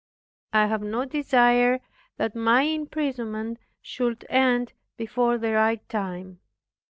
I have no desire that my imprisonment should end before the right time.